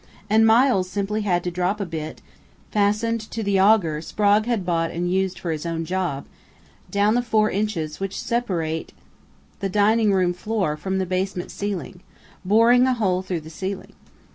And Miles simply had to drop a bit, fastened to the augur Sprague had bought and used for his own job, down the four inches which separate the dining room floor from the basement ceiling, boring a hole through the ceiling.